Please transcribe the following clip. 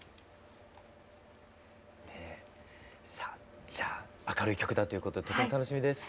さあじゃ明るい曲だということでとても楽しみです。